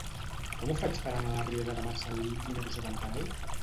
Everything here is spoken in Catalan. Com ho faig per anar a la riera de Marcel·lí número setanta-nou?